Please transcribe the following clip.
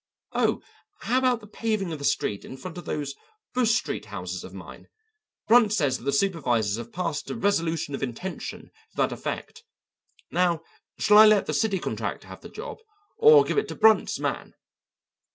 Oh, how about the paving of the street in front of those Bush Street houses of mine? Brunt says that the supervisors have passed a resolution of intention to that effect. Now shall I let the city contractor have the job or give it to Brunt's man?"